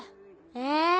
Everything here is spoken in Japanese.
え！